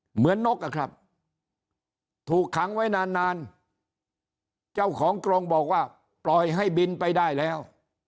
นกอะครับถูกขังไว้นานนานเจ้าของกรงบอกว่าปล่อยให้บินไปได้แล้ว